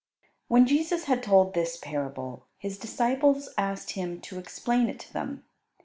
When Jesus had told this parable, His disciples asked Him to explain it to them.